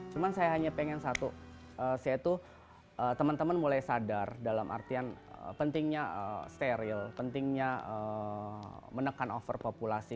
cuma saya hanya pengen satu saya tuh teman teman mulai sadar dalam artian pentingnya steril pentingnya menekan overpopulasi